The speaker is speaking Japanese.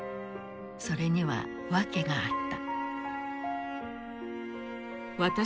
それには訳があった。